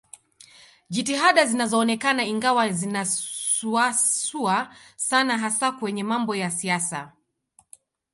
Jitihada zinaonekana ingawa zinasuasua sana hasa kwenye mambo ya siasa